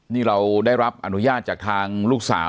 นี่เราได้รับอนุญาตจากทางลูกสาว